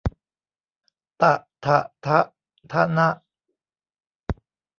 ฏะฐะฑะฒะณะ